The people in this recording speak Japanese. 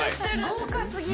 豪華すぎる。